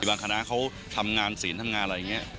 บางคณะเขาทำงานศีลทำงานอะไรอย่างนี้